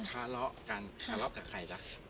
ทะเลาะกันทะเลาะกับใครจ๊ะ